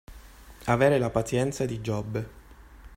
Avere la pazienza di Giobbe.